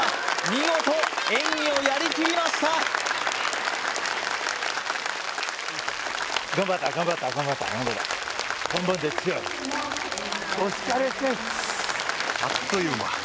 見事演技をやりきりましたお疲れです